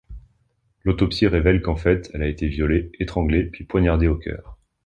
L'autopsie révèle qu'en fait, elle a été violée, étranglée, puis poignardée au cœur.